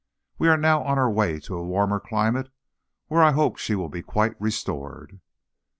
We are now on our way to a warmer climate, where I hope she will be quite restored."